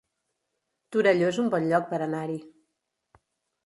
Torelló es un bon lloc per anar-hi